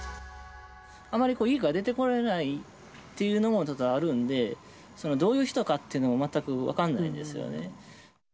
あまり家から出てこないというのもあるんで、どういう人かっていうのは全く分かんないですよね。